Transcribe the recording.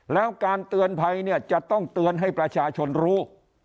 แล้วการเตือนภัยเนี่ยจะต้องเตือนให้ประชาชนรู้